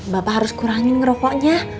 bapak harus kurangin ngerokoknya